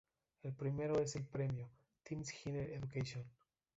El primero es el premio "Times Higher Education".